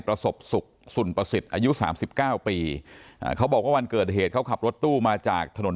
ประสบสุขสุนประสิทธิ์อายุสามสิบเก้าปีอ่าเขาบอกว่าวันเกิดเหตุเขาขับรถตู้มาจากถนน